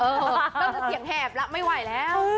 เริ่มจะเสียงแหบแล้วไม่ไหวแล้ว